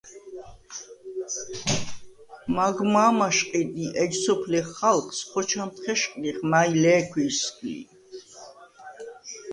მაგ მა̄ მაშყიდ ი ეჯ სოფლი ხალხს ხოჩამდ ხეშყდიხ, მაჲ ლე̄ქვი̄ს ლი.